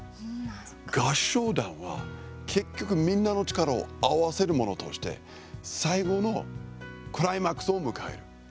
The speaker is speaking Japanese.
合唱団は結局みんなの力を合わせるものとして最後のクライマックスを迎える。